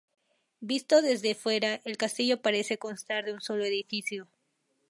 Visto desde fuera, el castillo parece constar de un sólo edificio.